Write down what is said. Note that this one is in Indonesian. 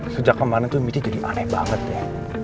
sejak kemarin tuh miji jadi aneh banget ya